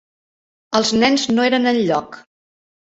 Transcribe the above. Els nens no eren elloc.